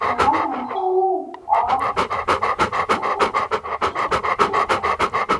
维厄人口变化图示